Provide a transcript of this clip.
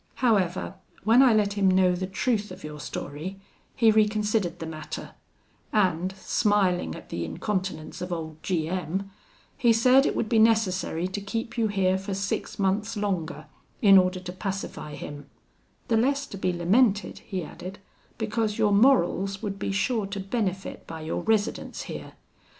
"'However, when I let him know the truth of your story, he reconsidered the matter, and, smiling at the incontinence of old G M , he said it would be necessary to keep you here for six months longer, in order to pacify him; the less to be lamented,' he added, 'because your morals would be sure to benefit by your residence here.